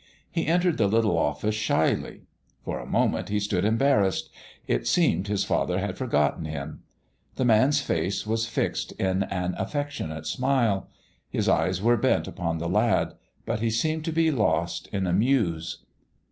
He entered the little office shyly. For a moment he stood embarrassed. It seemed his father had forgotten him. The man's face was fixed in an affectionate smile ; his eyes were bent upon the lad : but he seemed to be lost in a muse.